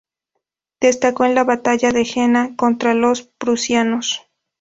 Destacó en la Batalla de Jena contra los prusianos.